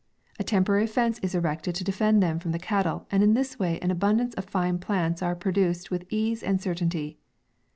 A temporary fence is erected to defend them from the cattle, and in this way an abundance of fine plants are produced with ease and certainty.